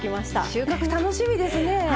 収穫楽しみですね。